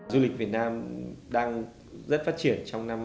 du lịch việt nam đang rất phát triển